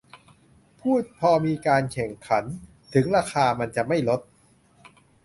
พูดพอมีการแข่งขัน ถึงราคามันจะไม่ลด